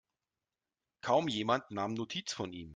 Kaum jemand nahm Notiz von ihm.